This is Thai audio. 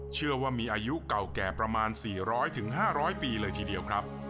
เชื่อว่ามีอายุเก่าแก่ประมาณ๔๐๐๕๐๐ปีเลยทีเดียวครับ